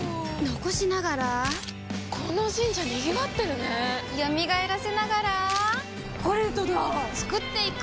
残しながらこの神社賑わってるね蘇らせながらコレドだ創っていく！